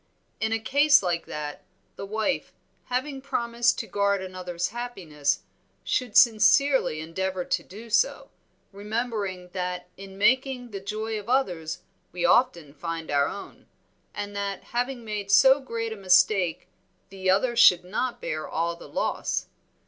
In a case like that the wife, having promised to guard another's happiness, should sincerely endeavor to do so, remembering that in making the joy of others we often find our own, and that having made so great a mistake the other should not bear all the loss.